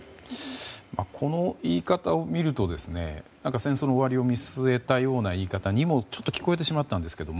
この言い方を見ると何か戦争の終わりを見据えたような言い方にも、ちょっと聞こえてしまったんですけど。